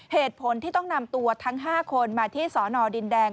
เหตุผลที่ต้องนำตัวทั้ง๕คนมาที่สอนอดินแดง